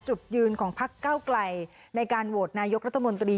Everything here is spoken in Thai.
จุดยืนของพักเก้าไกลในการโหวตนายกรัฐมนตรี